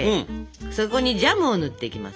そこにジャムを塗っていきます。